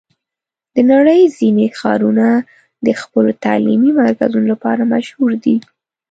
د نړۍ ځینې ښارونه د خپلو تعلیمي مرکزونو لپاره مشهور دي.